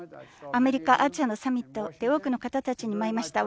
アメリカ、アジアのサミットで多くの方たちにも会いました。